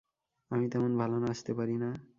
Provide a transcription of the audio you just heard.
আমি তেমন ভালো নাচতে পারি না।